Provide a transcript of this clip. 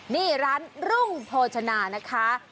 นี่ร้านรุ่งโภชนานะคะ